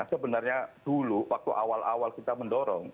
sebenarnya dulu waktu awal awal kita mendorong